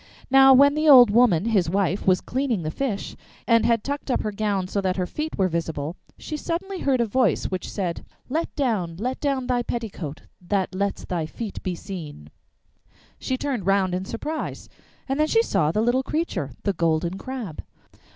Now while the old woman, his wife, was cleaning the fish, and had tucked up her gown so that her feet were visible, she suddenly heard a voice, which said: 'Let down, let down thy petticoat That lets thy feet be seen.' She turned round in surprise, and then she saw the little creature, the Golden Crab.